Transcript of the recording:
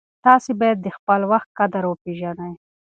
تاسې باید د خپل وخت قدر وپېژنئ.